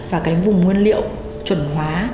và cái vùng nguyên liệu chuẩn hóa